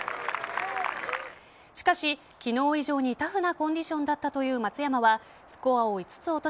しかし、昨日以上にタフなコンディションだったという松山はスコアを５つ